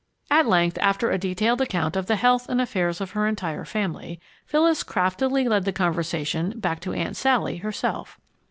At length, after a detailed account of the health and affairs of her entire family, Phyllis craftily led the conversation back to Aunt Sally herself.